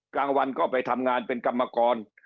กลางวันก็ไปทำงานเป็นกรรมกร